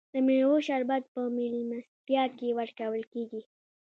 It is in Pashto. د میوو شربت په میلمستیا کې ورکول کیږي.